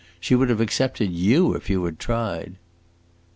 She would have accepted you if you had tried."